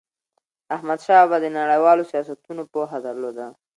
احمدشاه بابا د نړیوالو سیاستونو پوهه درلوده.